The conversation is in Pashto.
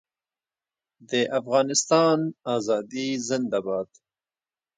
د افغانستان ازادي زنده باد.